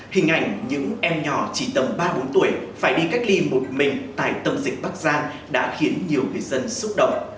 hình ảnh những em nhỏ chỉ tầm ba bốn tuổi phải đi cách ly một mình tại tâm dịch bắc giang đã khiến nhiều người dân xúc động